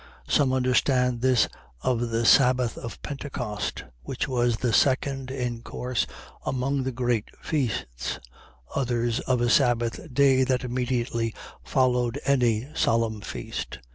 . .Some understand this of the sabbath of Pentecost, which was the second in course among the great feasts: others, of a sabbath day that immediately followed any solemn feast.